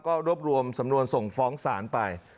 ก็รวบรวมสำนวนส่งฟ้องศาลไป